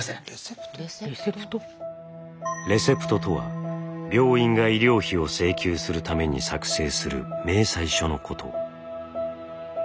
「レセプト」とは病院が医療費を請求するために作成する明細書のこと。